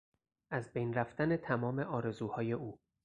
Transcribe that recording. از بین رفتن تمام آرزوهای او